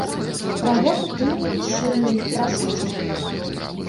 Пра гэта ты і напішы ёй, прашу цябе.